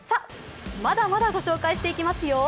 まだまだご紹介していきますよ。